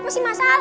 mas al itu masal